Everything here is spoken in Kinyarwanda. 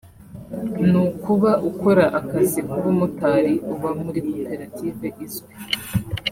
ni ukuba ukora akazi k’ubumotari uba muri koperative izwi